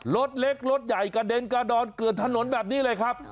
รถเล็กรถใหญ่กระเด็นกระดอนเกลือนถนนแบบนี้เลยครับ